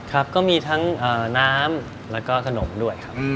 ครับก็มีทั้งน้ำแล้วก็ขนมด้วยครับ